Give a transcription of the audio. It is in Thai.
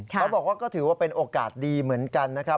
เขาบอกว่าก็ถือว่าเป็นโอกาสดีเหมือนกันนะครับ